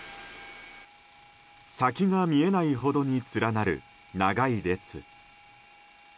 先が見えないほどに連なる長い列。